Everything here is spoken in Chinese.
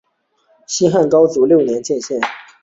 西汉高祖六年建县。